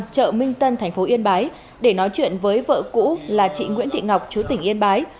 chợ minh tân thành phố yên bái để nói chuyện với vợ cũ là chị nguyễn thị ngọc chú tỉnh yên bái